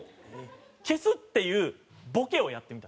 消すっていうボケをやってみたんですよ。